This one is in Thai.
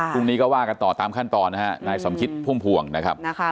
พรุ่งนี้ก็ว่ากันต่อตามขั้นตอนนะฮะนายสมคิดพุ่มพวงนะครับ